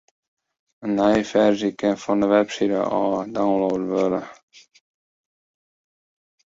In nije ferzje kin fan de webside ôf download wurde.